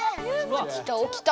おきたおきた。